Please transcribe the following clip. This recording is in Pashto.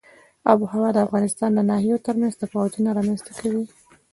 آب وهوا د افغانستان د ناحیو ترمنځ تفاوتونه رامنځ ته کوي.